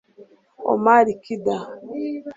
Oumar Kida